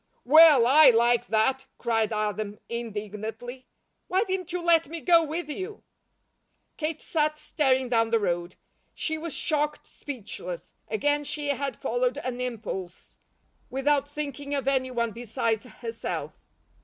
"Well, I like that!" cried Adam, indignantly. "Why didn't you let me go with you?" Kate sat staring down the road. She was shocked speechless. Again she had followed an impulse, without thinking of any one besides herself.